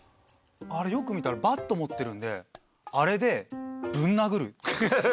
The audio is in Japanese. よく見たらバット持ってるんであれでぶん殴る。